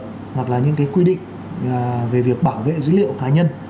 hoặc là những cái quy định về việc bảo vệ dữ liệu cá nhân